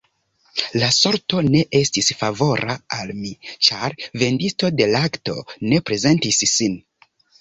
La sorto ne estis favora al mi, ĉar vendisto de lakto ne prezentis sin.